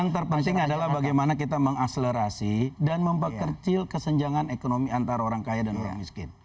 yang terpenting adalah bagaimana kita mengakselerasi dan memperkecil kesenjangan ekonomi antara orang kaya dan orang miskin